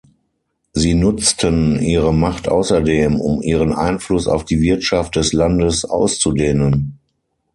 Sie nutzten ihre Macht außerdem, um ihren Einfluss auf die Wirtschaft des Landes auszudehnen.